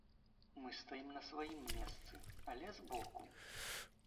Мы стаім на сваім месцы, але збоку.